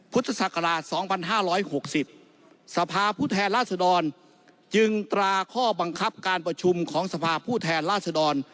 พศ๒๕๖๐สภาพผู้แทนรัฐสดรจึงตราข้อบังคับการประชุมของสภาพผู้แทนรัฐสดร